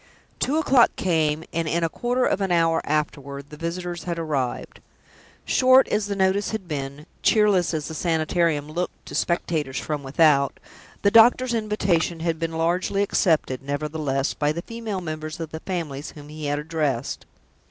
Two o'clock came; and in a quarter of an hour afterward the visitors had arrived. Short as the notice had been, cheerless as the Sanitarium looked to spectators from without, the doctor's invitation had been largely accepted, nevertheless, by the female members of the families whom he had addressed.